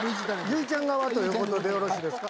結実ちゃん側ということでよろしいですか？